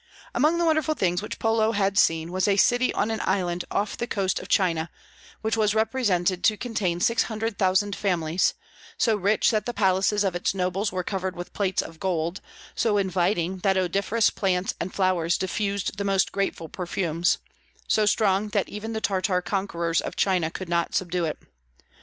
Among the wonderful things which Polo had seen was a city on an island off the coast of China, which was represented to contain six hundred thousand families, so rich that the palaces of its nobles were covered with plates of gold, so inviting that odoriferous plants and flowers diffused the most grateful perfumes, so strong that even the Tartar conquerors of China could not subdue it.